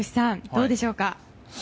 どうでしょうか。